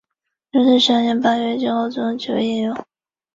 卫理公会从这里扩展到中国北方和东南亚。